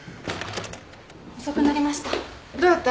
遅くなりました。